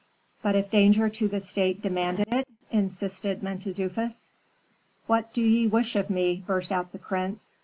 "But if danger to the state demanded it?" insisted Mentezufis. "What do ye wish of me?" burst out the prince.